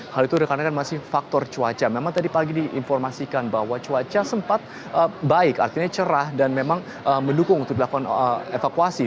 hal itu dikarenakan masih faktor cuaca memang tadi pagi diinformasikan bahwa cuaca sempat baik artinya cerah dan memang mendukung untuk dilakukan evakuasi